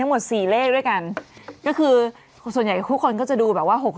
หมดสี่เลขด้วยกันก็คือส่วนใหญ่ทุกคนก็จะดูแบบว่า๖๖